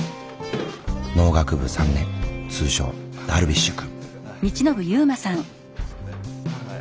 農学部３年通称ダルビッシュ君。